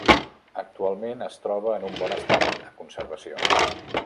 Actualment, es troba en un bon estat de conservació.